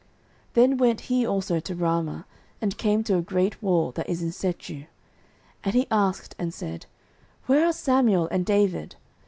09:019:022 Then went he also to Ramah, and came to a great well that is in Sechu: and he asked and said, Where are Samuel and David?